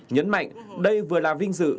nhấn mạnh đây vừa là vinh dự